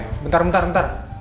eh bentar bentar bentar